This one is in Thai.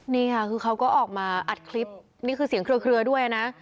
นี่ค่ะคือเขาก็ออกมาอัดคลิปนี่คือเสียงเครือด้วยนะ